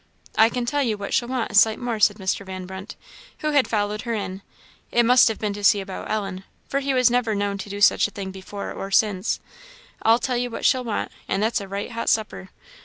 "I can tell you what she'll want a sight more," said Mr. Van Brunt, who had followed her in it must have been to see about Ellen, for he was never known to do such a thing before or since "I'll tell you what she'll want, and that's a right hot supper.